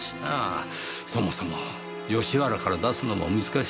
そもそも吉原から出すのも難しい。